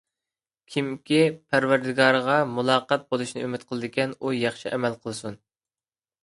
كىمكى پەرۋەردىگارىغا مۇلاقەت بولۇشنى ئۈمىد قىلىدىكەن، ياخشى ئەمەل قىلسۇن.